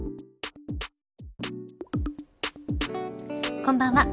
こんばんは。